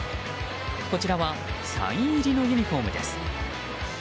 こちらはサイン入りのユニホームです。